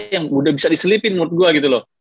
yang udah bisa diselipin menurut gue gitu loh